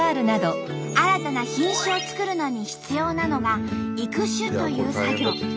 新たな品種を作るのに必要なのが「育種」という作業。